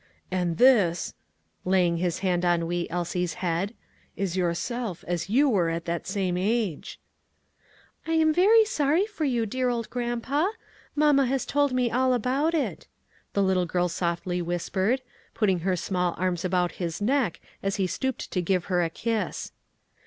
"And this," laying his hand on wee Elsie's head, "is yourself as you were at the same age." "I'm very sorry for you, dear old grandpa; mamma has told me all about it," the little girl softly whispered, putting her small arms about his neck as he stooped to give her a kiss.